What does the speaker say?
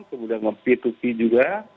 kemudian nge p dua p juga